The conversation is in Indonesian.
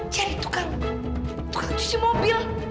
jadi tukang tukang cuci mobil